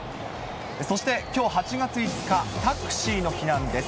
そして、きょう８月５日、タクシーの日なんです。